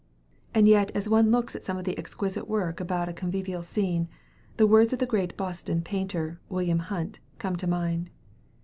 And yet as one looks at some of the exquisite work about a convivial scene, the words of the great Boston painter, William Hunt, come to mind.